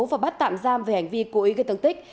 và bắt tạm giam về hành vi cố ý gây thương tích